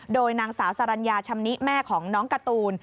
โดยนางสาวสรรญาชำนิแม่ของน้องการ์ตูน